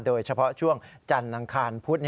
โดยเฉพาะช่วงจันทร์อังคารพุธ